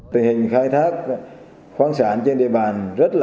tình hình khai thác khoáng sản trên địa bàn